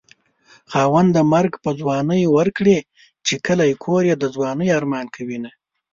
خاونده مرګ په ځوانۍ ورکړې چې کلی کور يې د ځوانۍ ارمان کوينه